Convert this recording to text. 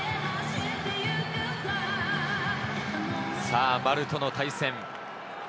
さぁ、丸との対戦。